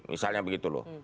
misalnya begitu loh